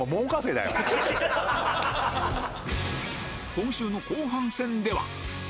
今週の後半戦では